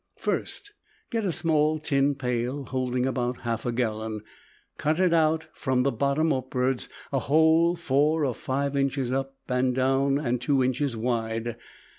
First get a small tin pail, holding about a half gallon. Cut out, from the bottom upwards, a hole four or five inches up and down and two inches wide.